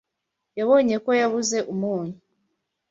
Yabonye ko yabuze umunyu.